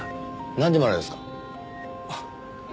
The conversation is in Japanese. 何時までですか？